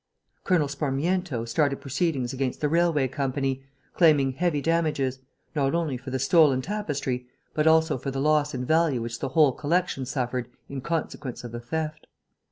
Colonel Sparmiento started proceedings against the railway company, claiming heavy damages, not only for the stolen tapestry, but also for the loss in value which the whole collection suffered in consequence of the theft.